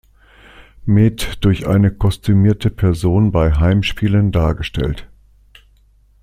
Met durch eine kostümierte Person bei Heimspielen dargestellt.